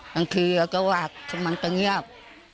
บางทีเราก็วาดมันก็เงียบ